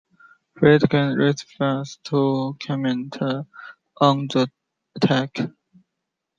Friedkin refused to comment on the attack.